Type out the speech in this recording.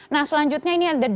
nah selanjutnya ini ada dua jenis